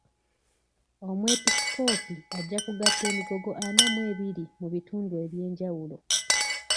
Omwepisikoopi ajja kugatta emigogo ana mu ebiri mu bitundu eby'enjawulo.